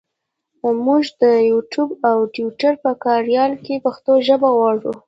مونږ د یوټوپ او ټویټر په کاریال کې پښتو ژبه غواړو.